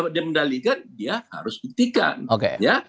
dia mendalikan dia harus buktikan ya